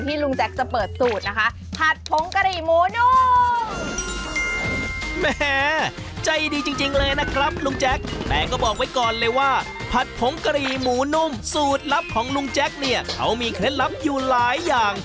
ที่ลุงแจ๊กจะเปิดสูตรนะคะ